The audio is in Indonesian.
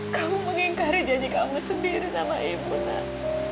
kamu mengingkari janji kamu sendiri sama ibu nak